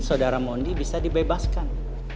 saudara mondi bisa dibebaskan